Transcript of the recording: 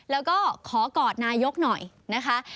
แล้วก็ขอกอดนายกหน่อยนะคะ